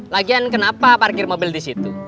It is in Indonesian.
lagian kenapa parkir mobil disitu